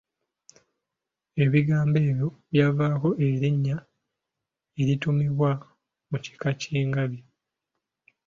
Ebigambo ebyo byavaako erinnya erituumibwa mu kika ky’engabi.